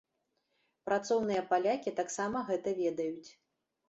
Працоўныя палякі таксама гэта ведаюць.